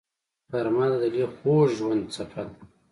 غرمه د دلي خوږ ژوند څپه ده